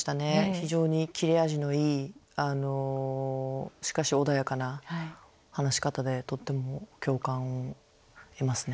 非常に切れ味のいいしかし穏やかな話し方でとっても共感を得ますね。